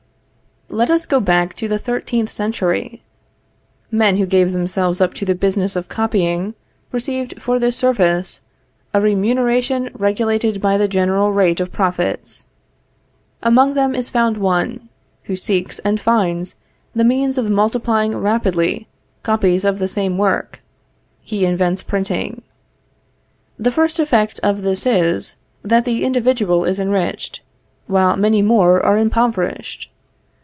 Let us go back to the thirteenth century. Men who gave themselves up to the business of copying, received for this service a remuneration regulated by the general rate of profits. Among them is found one, who seeks and finds the means of multiplying rapidly copies of the same work. He invents printing. The first effect of this is, that the individual is enriched, while many more are impoverished.